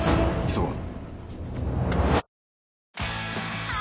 急ごう。